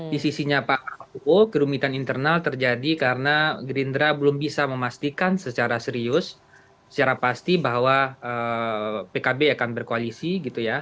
di sisinya pak prabowo kerumitan internal terjadi karena gerindra belum bisa memastikan secara serius secara pasti bahwa pkb akan berkoalisi gitu ya